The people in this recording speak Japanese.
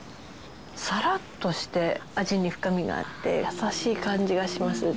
サラッとして味に深みがあって優しい感じがします。